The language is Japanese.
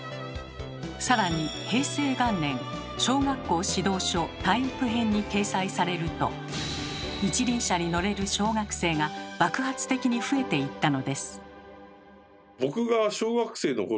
さらに平成元年「小学校指導書体育編」に掲載されると一輪車に乗れる小学生が爆発的に増えていったのです。